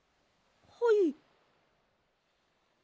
はい。